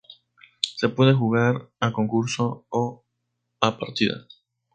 Se puede jugar a concurso o a partida.